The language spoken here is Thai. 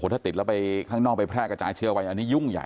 ถ้าติดแล้วไปข้างนอกไปแพร่กระจายเชื้อไว้อันนี้ยุ่งใหญ่